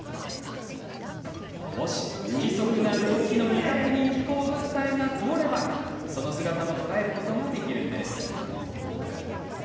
もし、不規則な動きの未確認飛行物体が通ればその姿も捉えることができるんです。